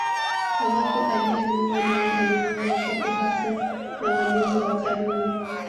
Ambapo aliyemuua naye aliuawa papo hapo na walinzi wa Karume